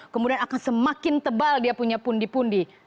kemudian akan semakin tebal dia punya pundi pundi